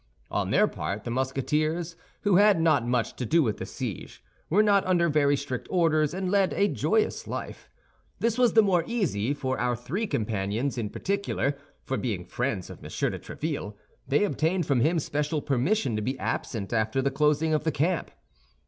On their part the Musketeers, who had not much to do with the siege, were not under very strict orders and led a joyous life. This was the more easy for our three companions in particular; for being friends of M. de Tréville, they obtained from him special permission to be absent after the closing of the camp.